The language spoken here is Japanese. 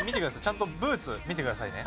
ちゃんとブーツ見てくださいね。